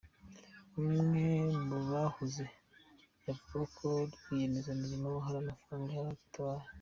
Umwe mu bahakoze yavuze ko Rwiyemezamirimo hari amafaranga atabahaye.